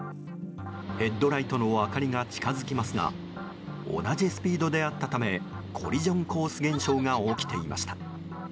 ヘッドライトの明かりが近づきますが同じスピードであったためコリジョンコース現象が起きていました。